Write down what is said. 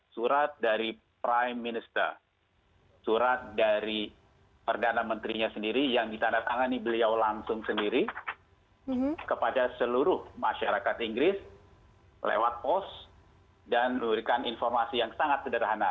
surat dari prime minister surat dari perdana menterinya sendiri yang ditandatangani beliau langsung sendiri kepada seluruh masyarakat inggris lewat pos dan memberikan informasi yang sangat sederhana